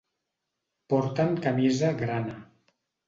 Porten camisa grana.